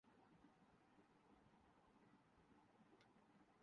پاکستانی جوڑے جنھیں اپنی محبت لائن ملی